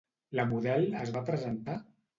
La model es va presentar?